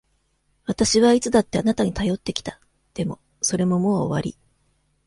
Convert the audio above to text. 私はいつだってあなたに頼ってきた。でも、それももう終わり。